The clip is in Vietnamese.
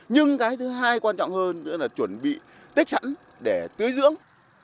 nhưng cái thứ hai quan trọng hơn nữa là chuẩn bị tích sẵn để tưới dưỡng